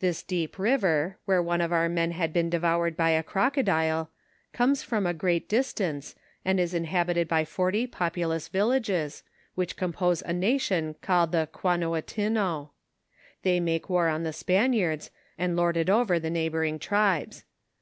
This deep river, where one of our men had been de voured by a crocodile, comes from a great distance, and is inhabited by forty populous villages, which compose a nation called tho Quanoatinno ; they make war on the Spaniards, and lord it over the neighboring tribes.